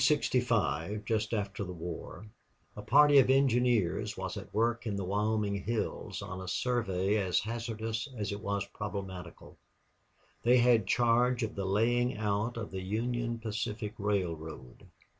4 In 1865, just after the war, a party of engineers was at work in the Wyoming hills on a survey as hazardous as it was problematical. They had charge of the laying out of the Union Pacific Railroad.